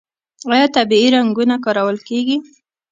آیا طبیعي رنګونه کارول کیږي؟